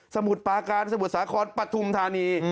สมุทรปากราร์สมุทรสาขนปฐุหนุฯฑานี